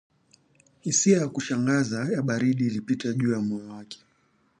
hisia ya kushangaza ya baridi ilipita juu ya moyo wake